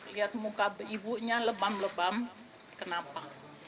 lihat muka ibunya lebam lebam kenapa